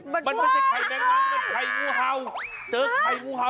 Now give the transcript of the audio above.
มันไม่ใช่ไข่แมงมันมันเป็นไข่งูเห่า